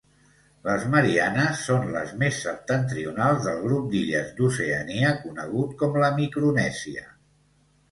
Les Mariannes són les més septentrionals del grup d'illes d'Oceania conegut com la Micronèsia.